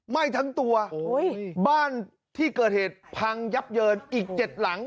ไหม้ทั้งตัวบ้านที่เกิดเหตุพังยับเยินอีก๗หลัง